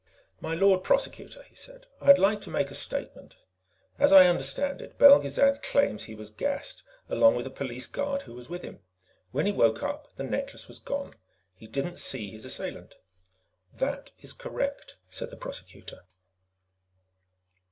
"My Lord Prosecutor," he said, "I'd like to make a statement. As I understand it, Belgezad claims he was gassed, along with a police guard who was with him. When he woke up, the necklace was gone. He didn't see his assailant." "That is correct," said the Prosecutor.